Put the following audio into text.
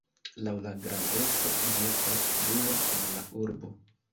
Laŭ la grandeco, ĝi estas dua en la urbo.